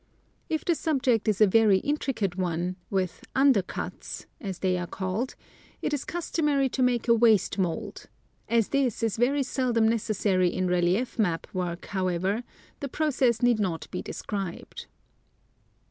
If the subject is a very intricate one, with " undercuts " (as they are called), it is custom ary to make a waste mould ; as this is very seldom necessary in relief map work, however, the process need not be described.